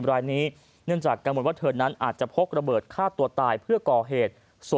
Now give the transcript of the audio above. รายนี้เนื่องจากกังวลว่าเธอนั้นอาจจะพกระเบิดฆ่าตัวตายเพื่อก่อเหตุ